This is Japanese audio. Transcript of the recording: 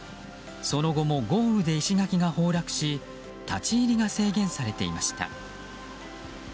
その後も豪雨で石垣が崩落し立ち入りが制限されていました。